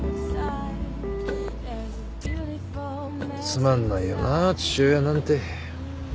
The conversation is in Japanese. つまんないよな父親なんて。